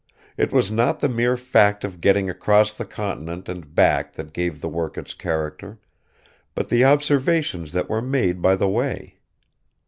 It was not the mere fact of getting across the continent and back that gave the work its character, but the observations that were made by the way.